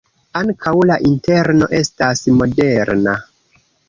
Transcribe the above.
Ankaŭ la interno estas moderna.